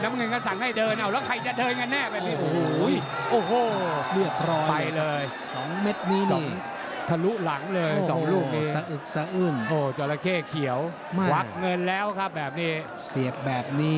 เป็นเงินเผะเสียงน้อยเพื่อออกอีกเนื้อ